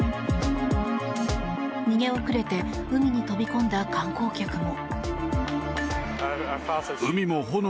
逃げ遅れて海に飛び込んだ観光客も。